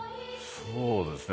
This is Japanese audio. そうですね